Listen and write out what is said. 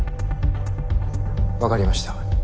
分かりました。